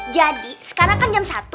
jadi sekarang kan jam satu